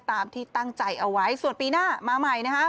ตามที่ตั้งใจเอาไว้ส่วนปีหน้ามาใหม่นะคะ